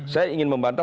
saya ingin membantah